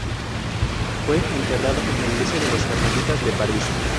Fue enterrado en la iglesia de los Carmelitas de París.